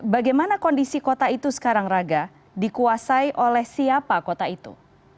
bagaimana kondisi kota itu sekarang raga dikuasai oleh siapa kota itu